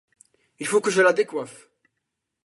Il faut que je la décoiffe.